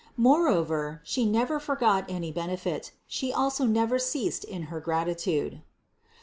Moreover, as She never forgot any benefit, She also never ceased in her gratitude.